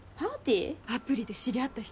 アプリで知り合った人がさ